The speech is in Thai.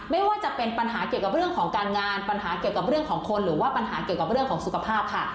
ไม่ว่าจะเป็นปัญหาเกี่ยวกับเรื่องของการงานปัญหาเกี่ยวกับเรื่องของคนหรือว่าปัญหาเกี่ยวกับเรื่องของสุขภาพค่ะ